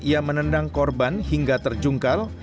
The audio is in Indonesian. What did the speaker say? ia menendang korban hingga terjungkal